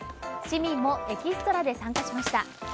市民もエキストラで参加しました。